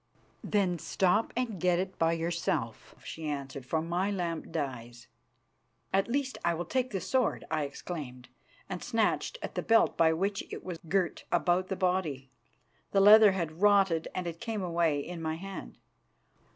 "Then stop and get it by yourself," she answered, "for my lamp dies." "At least, I will take the sword," I exclaimed, and snatched at the belt by which it was girt about the body. The leather had rotted, and it came away in my hand.